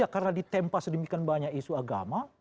karena ditempa sedemikian banyak isu agama